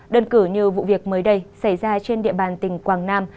đơn cử như vụ việc mới đây xảy ra trên địa bàn tỉnh quảng nam